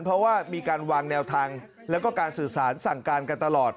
เพราะว่ามีการวางแนวทางแล้วก็การสื่อสารสั่งการกันตลอด